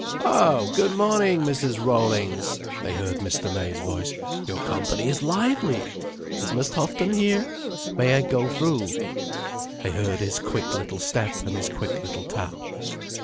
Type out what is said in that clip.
"Oh, good morning, Mrs. Rollings!" they heard Mr. May's voice. "Your company is lively. Is Miss Houghton here? May I go through?" They heard his quick little step and his quick little tap.